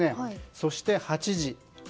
そして８時。